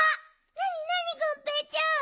なになにがんぺーちゃん？